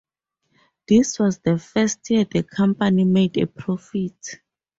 This was the first year the company made a profit.